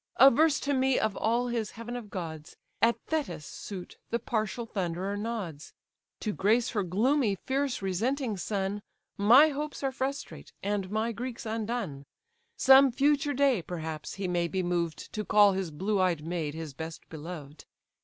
Averse to me of all his heaven of gods, At Thetis' suit the partial Thunderer nods; To grace her gloomy, fierce, resenting son, My hopes are frustrate, and my Greeks undone. Some future day, perhaps, he may be moved To call his blue eyed maid his best beloved.